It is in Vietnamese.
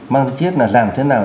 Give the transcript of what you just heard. mang chất là làm thế nào